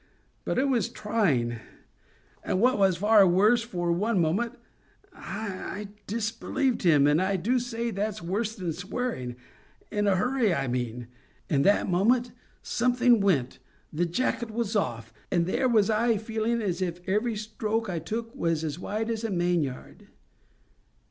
—but it was trying. And what was far worse, for one moment I disbelieved in Him; and I do say that's worse than swearing—in a hurry I mean. And that moment something went, the jacket was off, and there was I feelin' as if every stroke I took was as wide as the mainyard.